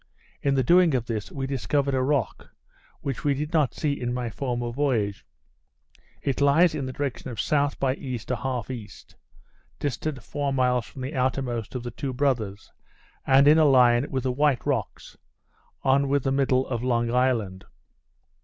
In the doing of this we discovered a rock, which we did not see in my former voyage. It lies in the direction of S. by E. 1/2 E., distant four miles from the outermost of the Two Brothers, and in a line with the White Rocks, on with the middle of Long Island.